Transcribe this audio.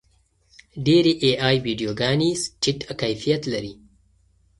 ډېرې اې ای ویډیوګانې ټیټ کیفیت لري.